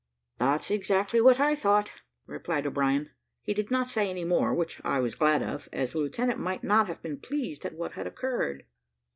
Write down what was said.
"That's exactly what I thought," replied O'Brien. He did not say any more, which I was glad of, as the lieutenant might not have been pleased at what had occurred.